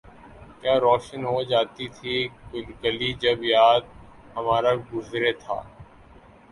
کیا روشن ہو جاتی تھی گلی جب یار ہمارا گزرے تھا